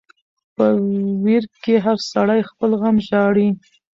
په ویر کی هر سړی خپل غم ژاړي .